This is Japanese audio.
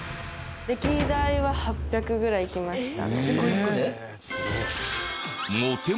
歴代は８００ぐらいいきました。